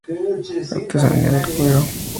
Artesanía del cuero.